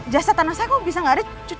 jasa tanah saya kok bisa nggak ada